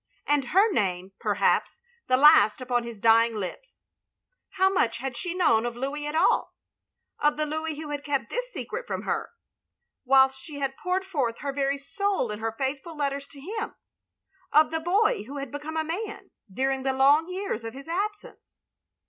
And her name, perhaps, the last upon his dying lips. How much had she known of Louis, after all? Of the Louis who had kept this secret from her, whilst she had poured forth her very soul in her faithful letters to him? Of the boy who had become a man, during the long years of his absence?